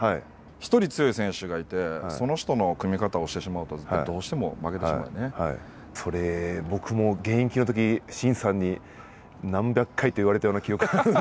１人強い選手がいて、その人の組み方をしてしまうと、どうしてもプレー、僕も現役のとき、慎さんに何百回と言われたような記憶が。